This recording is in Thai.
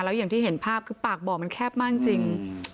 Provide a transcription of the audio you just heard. แล้วอย่างที่เห็นภาพคือปากบ่อมันแคบมากจริง